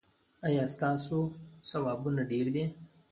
ایا ستاسو ثوابونه ډیر دي؟